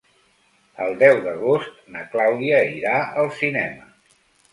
El deu d'agost na Clàudia irà al cinema.